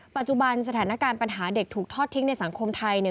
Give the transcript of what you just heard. ปัจจุบันสถานการณ์ปัญหาเด็กถูกทอดทิ้งในสังคมไทย